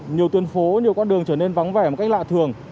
nhiều tuyến phố nhiều con đường trở nên vắng vẻ một cách lạ thường